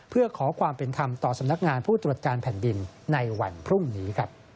เพื่อขอความเป็นธรรมต่อสำนักงานผู้ตรวจการแผ่นดินในวันพรุ่งนี้